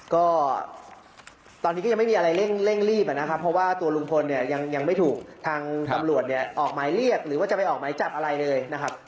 ก็ตอนนี้ก็ยังไม่มีอะไรเร่งรีบนะครับเพราะว่าตัวลุงพลเนี่ยยังไม่ถูกทางตำรวจเนี่ยออกหมายเรียกหรือว่าจะไปออกหมายจับอะไรเลยนะครับ